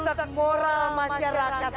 merusak moral masyarakat